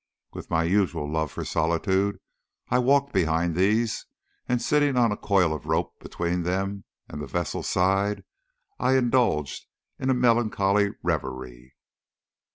With my usual love for solitude I walked behind these, and sitting on a coil of rope between them and the vessel's side, I indulged in a melancholy reverie.